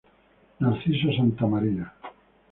Narciso Santa María.